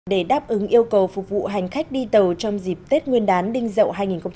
để đáp ứng yêu cầu phục vụ hành khách đi tàu trong dịp tết nguyên đán đinh dậu hai nghìn hai mươi bốn